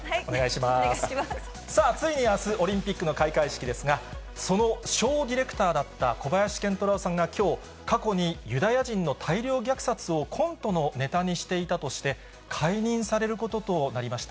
さあついにあす、オリンピックの開会式ですが、そのショーディレクターだった小林賢太郎さんが、きょう、過去にユダヤ人の大量虐殺をコントのネタにしていたとして、解任されることとなりました。